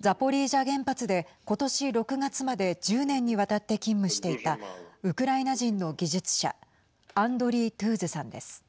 ザポリージャ原発で今年６月まで１０年にわたって勤務していたウクライナ人の技術者アンドリー・トゥーズさんです。